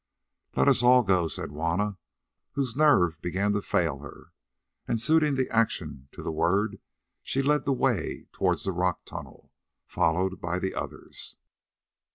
"Let us all go," said Juanna, whose nerve began to fail her; and suiting the action to the word she led the way towards the rock tunnel, followed by the others.